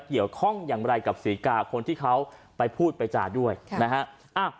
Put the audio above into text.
เกี่ยวข้องอย่างไรกับศรีกาคนที่เขาไปพูดไปจ่าด้วยนะฮะ